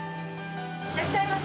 いらっしゃいませ。